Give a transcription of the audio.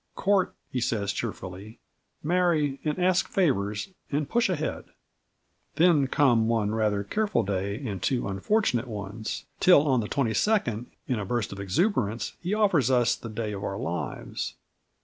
"Court," he says cheerfully, "marry and ask favours and push ahead." Then come one rather careful day and two unfortunate ones, till on the 22nd, in a burst of exuberance, he offers us the day of our lives.